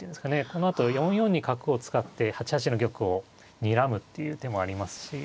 このあと４四に角を使って８八の玉をにらむっていう手もありますし。